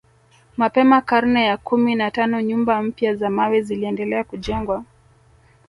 Mapema karne ya kumi na tano nyumba mpya za mawe ziliendelea kujengwa